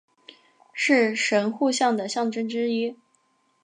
是神户港的象征之一。